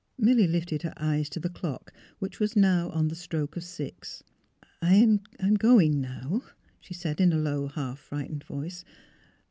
Milly lifted her eyes to the clock which was on the stroke of six. " I — am going now," she said, in a low, half frightened voice.